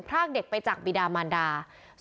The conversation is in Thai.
๑พราคเด็กไปจากบิดามัณรา